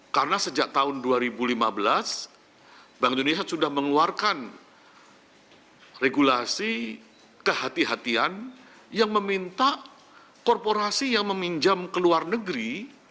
karena sejak tahun dua ribu lima belas bank indonesia sudah mengeluarkan regulasi kehatian hatian yang meminta korporasi yang meminjam ke luar negeri